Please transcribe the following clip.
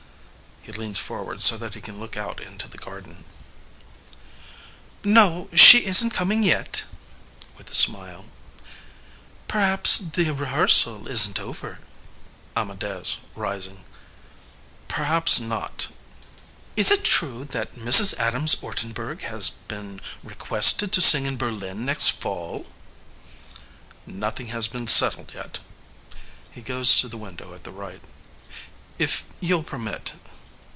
(He leans forward so that he can look out into the garden) FREDERIQUE No, she isn't coming yet. (With a smile) Perhaps the rehearsal isn't over. AMADEUS (rising) Perhaps not. FREDERIQUE Is it true that Mrs. Adams Ortenburg has been requested to sing in Berlin next Fall? AMADEUS Nothing has been settled yet. (He goes to the window at the right) If you'll permit....